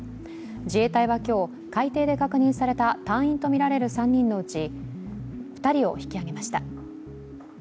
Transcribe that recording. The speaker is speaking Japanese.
自衛隊は今日、海底で確認された隊員とみられる３人のうち２人を引き揚げました。